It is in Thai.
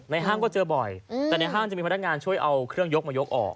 ห้างก็เจอบ่อยแต่ในห้างจะมีพนักงานช่วยเอาเครื่องยกมายกออก